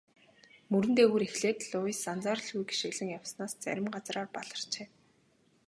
Мөрөн дээгүүр эхлээд Луис анзааралгүй гишгэлэн явснаас зарим газраар баларчээ.